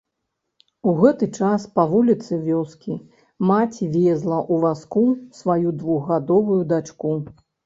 У гэты час па вуліцы вёскі маці везла ў вазку сваю двухгадовую дачку.